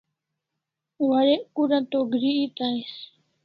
Warek kura to gri eta ais